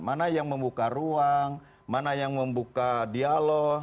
mana yang membuka ruang mana yang membuka dialog